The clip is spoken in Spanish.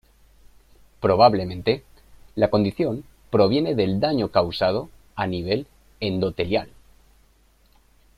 Probablemente, la condición proviene del daño causado a nivel endotelial.